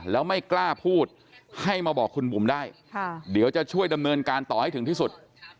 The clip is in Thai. แล้วไม่กล้าพูดให้มาบอกคุณบุ๋มได้เดี๋ยวจะช่วยดำเนินการต่อให้ถึงที่สุด